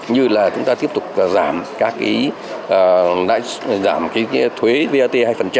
như là chúng ta tiếp tục giảm các cái thuế vat hai